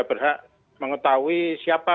berhak mengetahui siapa